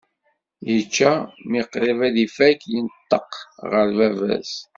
Yečča, mi qrib ad ifak, yenṭeq ɣer baba-s.